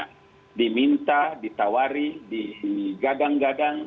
karena diminta ditawari digadang gadang